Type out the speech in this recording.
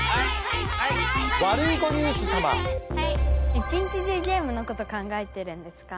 一日中ゲームのこと考えてるんですか？